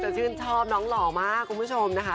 ชื่นชอบน้องหล่อมากคุณผู้ชมนะคะ